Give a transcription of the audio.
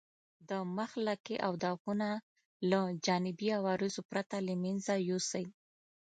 د مخ لکې او داغونه له جانبي عوارضو پرته له منځه یوسئ.